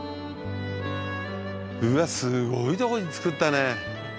うわっすごいとこに造ったね。